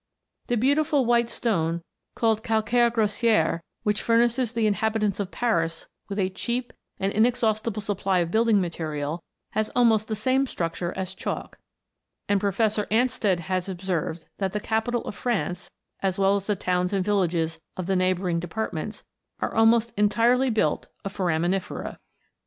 The beautiful white stone called calcaire grassier, which furnishes the inhabi tants of Paris with a cheap and inexhaustible supply of building material, has almost the same structure as chalk ; and Professor Ansted has observed that the capital of France, as well as the towns and villages of the neighbouring departments, are almost entirely built of foraminifera.